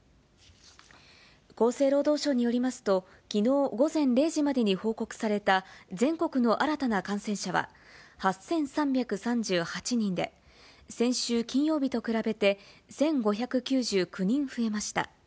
厚生労働省によりますと、きのう午前０時までに報告された全国の新たな感染者は８３３８人で、先週金曜日と比べて１５９９人増えました。